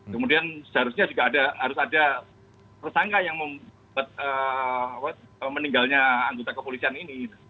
kemudian seharusnya juga harus ada tersangka yang membuat meninggalnya anggota kepolisian ini